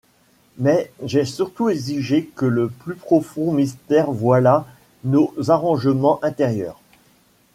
Mais j’ai surtout exigé que le plus profond mystère voilât nos arrangements intérieurs.